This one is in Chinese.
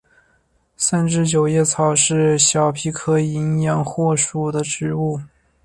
三枝九叶草是小檗科淫羊藿属的植物。